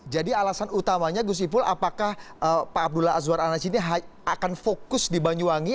jadi alasan utamanya gus ipul apakah pak abdullah azwar anas ini akan fokus di banyuwangi